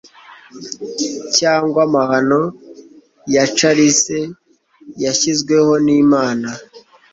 Cyangwa amahano ya chalice yashyizweho nimana